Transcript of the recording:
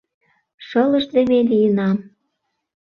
Шылыждыме лийынам.